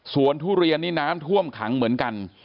ทุเรียนนี่น้ำท่วมขังเหมือนกัน